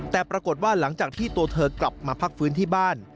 แต่ปรากฏว่าหลังจากที่ตัวเธอกลับมาพักฟื้นที่บ้าน